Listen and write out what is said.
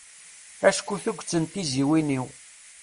Acku tuget n tiziwin-iw.